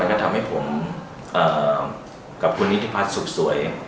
ก็ทำให้ผมกับคุณนิธิพัฒน์สุขสวย